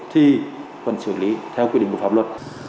thì sẽ không đủ